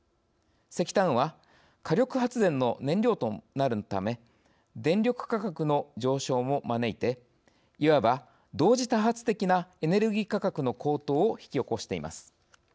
石炭は火力発電の燃料となるため電力価格の上昇も招いていわば同時多発的なエネルギー価格の高騰を引き起こしています。